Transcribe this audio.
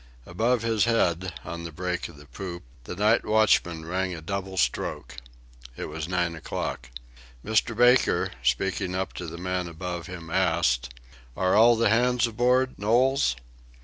Above his head, on the break of the poop, the night watchman rang a double stroke. It was nine o'clock. Mr. Baker, speaking up to the man above him, asked: "Are all the hands aboard, Knowles?"